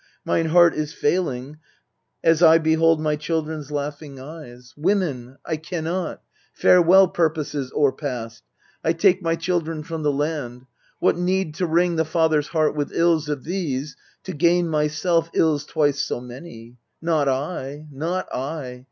Mine heart is failing \ I behold my children's laughing eyes! MEDEA 277 Women, I can not ! farewell, purposes O'erpast ! I take my children from the land. What need to wring the father's heart with ills Of these, to gain myself ills twice so many ? Not I, not I